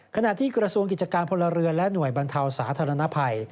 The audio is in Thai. ขณะที่กระทรวงกิจการพลเรือนและหน่วยบรรเทาสาธารณภัย